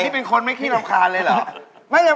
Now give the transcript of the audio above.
นี่เป็นคนไม่ขี้รำคาญเลยเหรอ